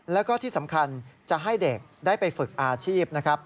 แล้วก็ที่สำคัญจะให้เด็กได้ไปฝึกอาชีพนะครับ